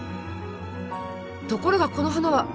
ところがこの花は。